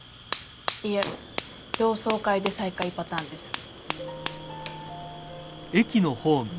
いいえ同窓会で再会パターンです。